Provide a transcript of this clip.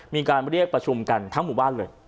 มีการเรียกประชุมกันทั้งหมู่บ้านเลย